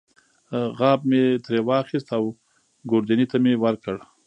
غاب مې ترې واخیست او ګوردیني ته مې ورکړ.